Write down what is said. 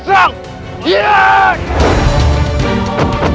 cuman menajubkan radenna